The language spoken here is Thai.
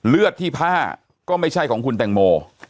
เลือดที่ผ้าก็ไม่ใช่ของคุณแตงโม